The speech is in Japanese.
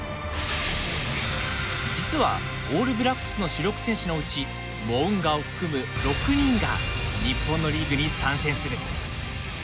実は、オールブラックスの主力選手のうちモウンガを含む６人が日本のリーグに参戦する。